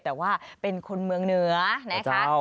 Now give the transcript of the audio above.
แต่ว่าเป็นคนเมืองเหนือพระเจ้า